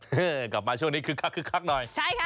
เฮ้กลับมาช่วงนี้คึกคักคึกคักหน่อย